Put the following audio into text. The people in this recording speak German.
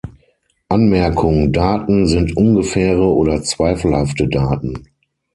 Anmerkung: Daten sind ungefähre oder zweifelhafte Daten